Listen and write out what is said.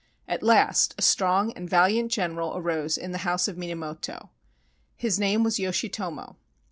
At last a strong and valiant general arose in the House of Minamoto. His name was Yoshitomo.